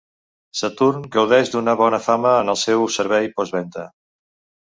Saturn gaudeix d'una bona fama en el seu servei postvenda.